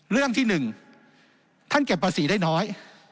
เรื่องที่๑ท่านเก็บภาษีได้น้อย